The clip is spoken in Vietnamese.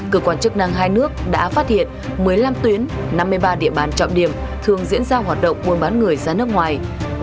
cơ quan chức năng hai nước đã phát hiện một mươi năm tuyến năm mươi ba địa bàn trọng điểm thường diễn ra hoạt động buôn bán người ra nước ngoài